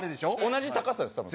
同じ高さです多分。